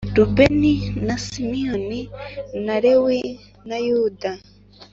Rubeni na Simiyoni na Lewi na Yuda